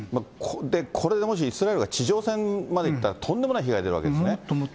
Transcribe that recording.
これでもし、イスラエルが地上戦までいったら、とんでもない被害が出るわけですね。